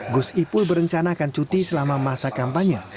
gus ipul berencana akan cuti selama masa kampanye